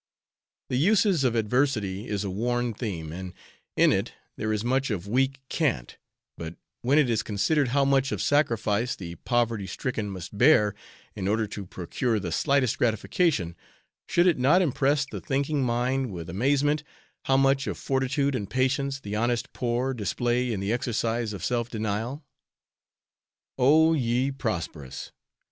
The uses of adversity is a worn theme, and in it there is much of weak cant, but when it is considered how much of sacrifice the poverty stricken must bear in order to procure the slightest gratification, should it not impress the thinking mind with amazement, how much of fortitude and patience the honest poor display in the exercise of self denial! Oh! ye prosperous!